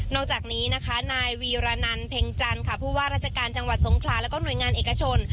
จากนี้นะคะนายวีรนันเพ็งจันทร์ค่ะผู้ว่าราชการจังหวัดสงขลาแล้วก็หน่วยงานเอกชน